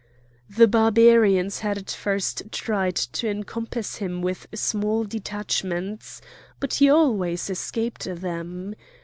The Barbarians had at first tried to encompass him with small detachments, but he always escaped them.